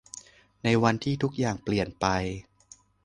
ในวันที่ทุกอย่างเปลี่ยนไป